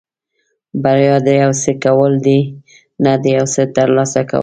بریا د یو څه کول دي نه د یو څه ترلاسه کول.